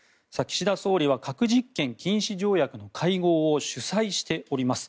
岸田総理は核実験禁止条約の会合を主催しております。